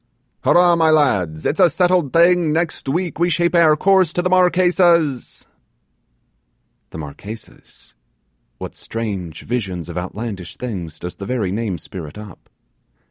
...... 'Hurra, my lads! It's a settled thing; next week we shape our course to the Marquesas!' The Marquesas! What strange visions of outlandish things does the very name spirit up!